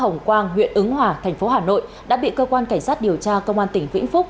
hồng quang huyện ứng hòa thành phố hà nội đã bị cơ quan cảnh sát điều tra công an tỉnh vĩnh phúc